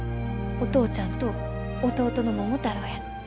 お父ちゃんと弟の桃太郎や。